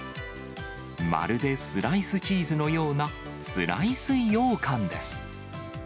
まるでスライスチーズのような、スライスようかんです。